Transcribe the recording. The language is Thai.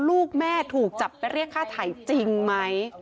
ลูกแม่ถูกจับไปเรียกค่าไถ่จริงไหม